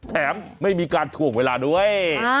แถมไม่มีการทวงเวลาด้วย